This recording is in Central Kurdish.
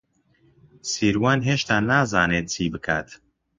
سیروان هێشتا نازانێت چی بکات.